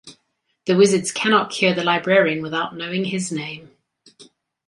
The wizards cannot cure the Librarian without knowing his name.